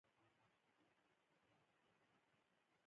پابندي غرونه د افغانستان د طبیعي زیرمو یوه برخه ده.